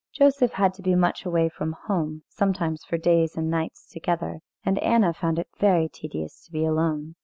Joseph had to be much away from home, sometimes for days and nights together, and Anna found it very tedious to be alone.